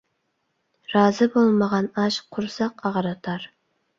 رازى بولمىغان ئاش قۇرساق ئاغرىتار.